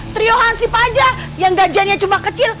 trio hansip aja yang gajiannya cuma kecil